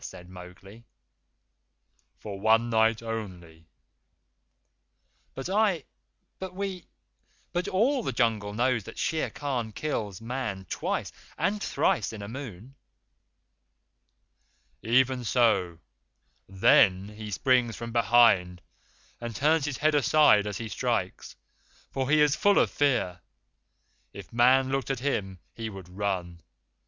said Mowgli. "For one night only," said Hathi. "But I but we but all the Jungle knows that Shere Khan kills Man twice and thrice in a moon." "Even so. THEN he springs from behind and turns his head aside as he strikes, for he is full of fear. If Man looked at him he would run.